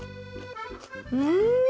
うん！